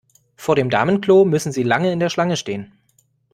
Vor dem Damenklo müssen Sie lange in der Schlange stehen.